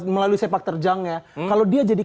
melalui sepak terjangnya kalau dia jadi